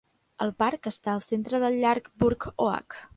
El parc està al centre del llac Burr Oak.